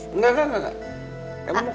enggak enggak enggak